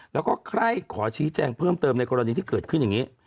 แล้วก็ใครขอชี้แจงเพิ่มเติมในกรณีที่เกิดขึ้นอย่างนี้